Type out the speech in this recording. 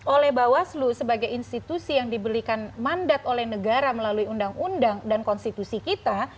oleh bawaslu sebagai institusi yang diberikan mandat oleh negara melalui undang undang dan konstitusi kita